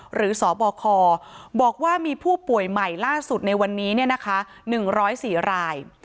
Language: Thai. สบคบอกว่ามีผู้ป่วยใหม่ล่าสุดในวันนี้๑๐๔ราย